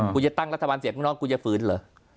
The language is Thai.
คุณจะตั้งรัฐบาลเสียงข้างนอกกูจะฝืนเหรอ